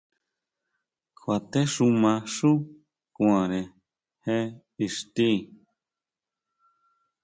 Kjuatexuma xú kuanʼre je ixti.